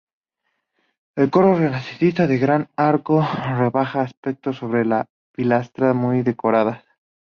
El coro, renacentista, de gran arco rebajado apeado sobre pilastras muy decoradas.